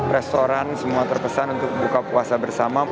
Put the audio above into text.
restoran semua terpesan untuk buka puasa bersama